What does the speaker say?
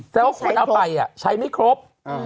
แต่ว่าคนเอาไปอ่ะใช้ไม่ครบ